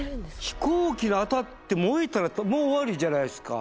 飛行機に当たって燃えたらもう終わりじゃないですか。